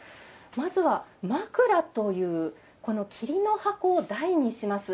まずは、枕というこの桐の箱を台にします。